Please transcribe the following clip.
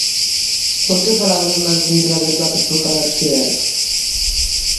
¿Por que falaban de máis do centenar de prazas por cada residencia?